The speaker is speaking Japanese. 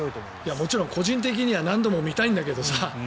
もちろん個人的には何度も見たいんだけどさ。